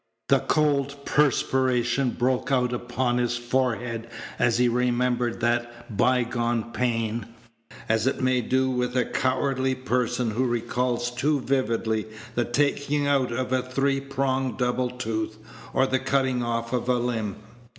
The cold perspiration broke out upon his forehead as he remembered that by gone pain, as it may do with a cowardly person who recalls too vividly the taking out of a three pronged double tooth, or the cutting off of a limb.